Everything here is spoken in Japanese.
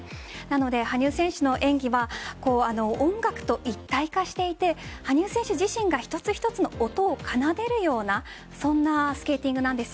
羽生選手の演技は音楽と一体化していて羽生選手自身が一つ一つの音を奏でるようなそんなスケーティングなんです。